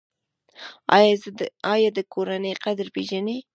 ایا د کورنۍ قدر پیژنئ؟